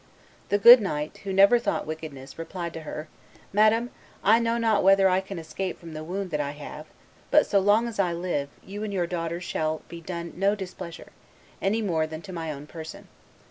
The good knight, who never thought wickedness, replied to her, 'Madam, I know not whether I can escape from the wound that I have; but, so long as I live, you and your daughters shall be done no displeasure, any more than to my own person.